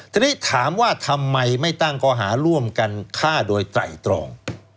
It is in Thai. ทีนี้ถามว่าทำไมไม่ตั้งข้อหาร่วมกันฆ่าโดยไตรตรอง